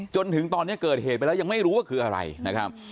จนถึงตอนนี้เกิดเหตุไปแล้วยังไม่รู้ว่าคืออะไรนะครับ